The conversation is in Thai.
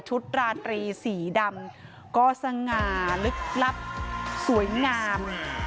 ตราตรีสีดำก็สง่าลึกลับสวยงาม